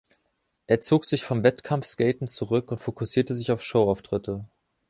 Er zog sich vom Wettkampfskaten zurück und fokussierte sich auf Show-Auftritte.